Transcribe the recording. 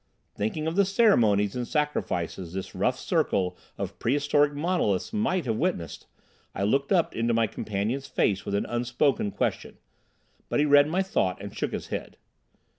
Thinking of the ceremonies and sacrifices this rough circle of prehistoric monoliths might have witnessed, I looked up into my companion's face with an unspoken question. But he read my thought and shook his head.